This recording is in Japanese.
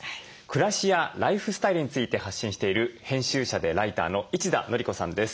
暮らしやライフスタイルについて発信している編集者でライターの一田憲子さんです。